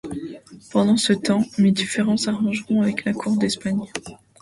Pendant ce temps mes différends s'arrangeront avec la cour d'Espagne.